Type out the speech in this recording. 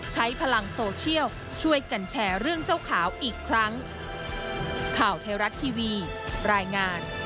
ใช้พลังโซเชียลช่วยกันแชร์เรื่องเจ้าขาวอีกครั้ง